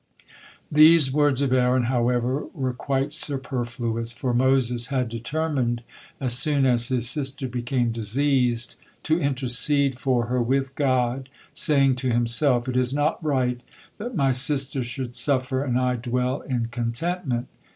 These words of Aaron, however, were quite superfluous, for Moses had determined, as soon as his sister became diseased, to intercede for her with God, saying to himself: "It is not right that my sister should suffer and I dwell in contentment."